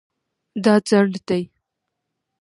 دا ځنډ دی